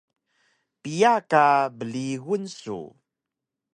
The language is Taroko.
Piya ka brigun su?